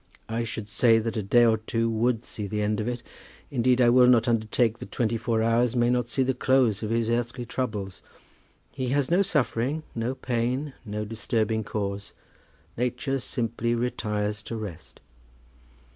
"I should say that a day or two would see the end of it. Indeed I will not undertake that twenty four hours may not see the close of his earthly troubles. He has no suffering, no pain, no disturbing cause. Nature simply retires to rest."